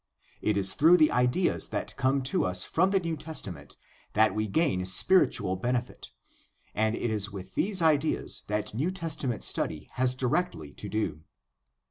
It is through the ideas that come to us from the New Testament that we gain spiritual benefit, and it is with these ideas that New Testament study has directly to do.